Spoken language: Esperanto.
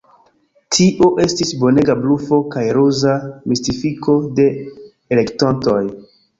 Tio estis bonega blufo kaj ruza mistifiko de elektontoj.